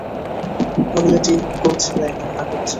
মহিলাটি গোল্ড প্ল্যানে আগ্রহী ছিলো।